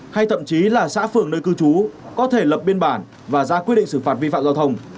hay thậm chí là xã phường nơi cư trú có thể lập biên bản và ra quyết định xử phạt vi phạm giao thông